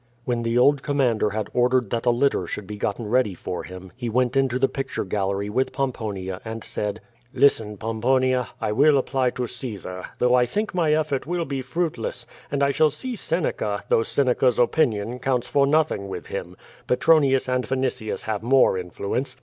When the old commander had ordered that a litter should be gotten ready for him, he went into the picture gallery with Pomponia, and said: "Listen, Pomponia. I will apply to Caesar, though I think my effort will be fruitless, and I shall see Seneca, though Seneca's opinion counts for nothing with him. Petronius and Vinitius have more influence.